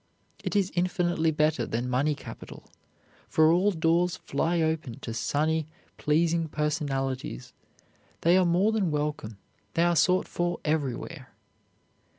It is infinitely better than money capital, for all doors fly open to sunny, pleasing personalities. They are more than welcome; they are sought for everywhere.